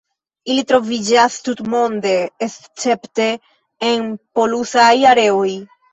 Ili troviĝas tutmonde escepte en polusaj areoj.